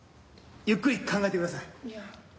ゆっくり考えてください。